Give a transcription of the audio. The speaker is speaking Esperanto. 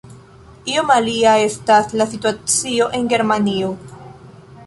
Iom alia estas la situacio en Germanio.